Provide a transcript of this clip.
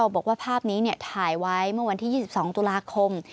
บอกว่าภาพนี้ถ่ายไว้เมื่อวันที่๒๒ตุลาคม